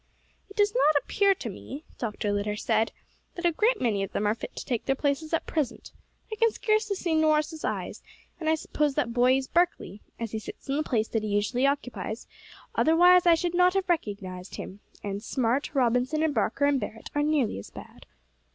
"It does not appear to me," Dr. Litter said, "that a great many of them are fit to take their places at present. I can scarcely see Norris's eyes; and I suppose that boy is Barkley, as he sits in the place that he usually occupies, otherwise, I should not have recognised him; and Smart, Robertson, and Barker and Barret are nearly as bad.